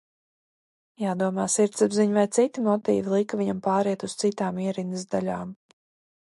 Jādomā sirdsapziņa vai citi motīvi lika viņam pāriet uz citām ierindas daļām.